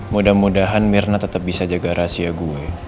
mudah mudahan mirna tetap bisa jaga rahasia gue